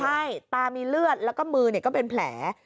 ใช่ตามีเลือดแล้วก็มือก็เป็นแผล